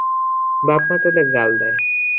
বাপ মা তুলে গাল দেয়।